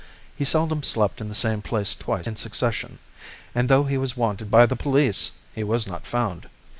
He seldom slept in the same place twice in succession, and though he was wanted by the police, he was not found.